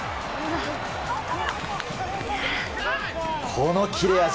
この切れ味。